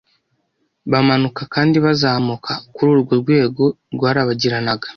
bamanuka kandi bazamuka kuri uru rwego rwarabagiranaga.